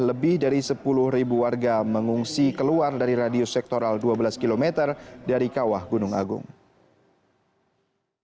lebih dari sepuluh ribu warga mengungsi keluar dari radius sektoral dua belas km dari kawah gunung agung